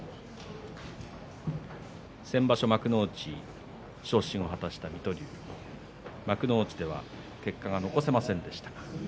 先場所、幕内昇進を果たした水戸龍幕内では結果が残せませんでした。